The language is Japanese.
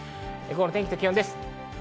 午後の天気と気温です。